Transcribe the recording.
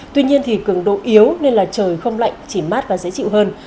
tuy nhiên thì cường độ yếu nên là trời không lạnh chỉ mát và dễ chịu hơn